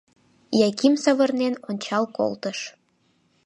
Яким савырнен ончал колтыш.